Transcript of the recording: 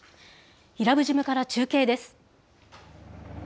伊良部島から中継です。